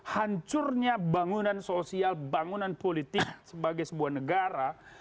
hancurnya bangunan sosial bangunan politik sebagai sebuah negara